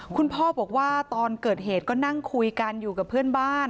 คุณพ่อบอกว่าตอนเกิดเหตุก็นั่งคุยกันอยู่กับเพื่อนบ้าน